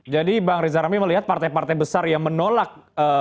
jadi bang rizal rami melihat partai partai besar yang menolak